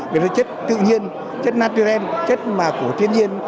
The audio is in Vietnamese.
thì nó chất tự nhiên chất natural chất mà của thiên nhiên